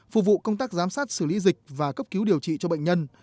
phục vụ công tác giám sát xử lý dịch và cấp cứu điều trị cho bệnh nhân